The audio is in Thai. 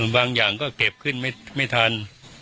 บางอย่างก็เก็บขึ้นไม่ทัน